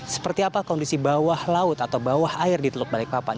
seperti apa kondisi bawah laut atau bawah air di teluk balikpapan